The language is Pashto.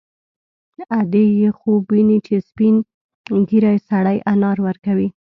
ادې یې خوب ویني چې سپین ږیری سړی انار ورکوي